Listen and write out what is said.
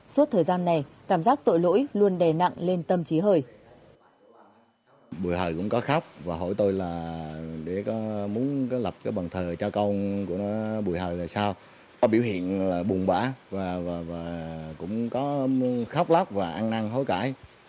suốt thời gian này cảm giác tội lỗi luôn đè nặng lên tâm trí hơi